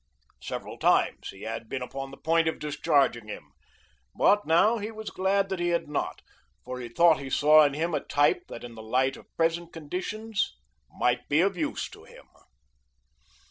Several times he had been upon the point of discharging him, but now he was glad that he had not, for he thought he saw in him a type that in the light of present conditions might be of use to him.